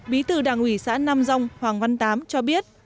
bí tử đảng ủy xã nam dòng hoàng văn tám cho biết